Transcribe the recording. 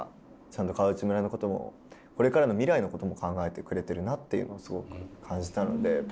ちゃんと川内村のこともこれからの未来のことも考えてくれてるなっていうのをすごく感じたので。